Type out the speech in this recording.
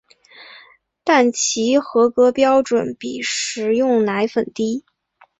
但其合格标准比食用奶粉低。